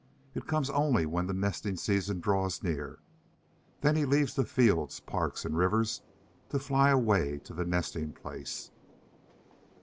It comes only when the nesting season draws near. Then he leaves the fields, parks, and rivers, to fly away to the nesting place.